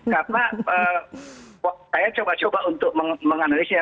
karena saya coba coba untuk menganalisisnya